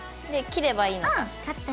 で切ればいいのか。